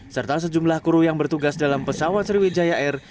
serta sejumlah kru yang bertugas dalam pesawat sriwijaya air